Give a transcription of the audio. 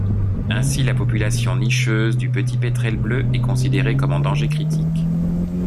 Ainsi la population nicheuse du petit Pétrel bleu est considérée comme en danger critique.